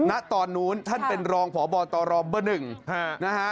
ณตอนนู้นท่านเป็นรองพบตรเบอร์หนึ่งนะฮะ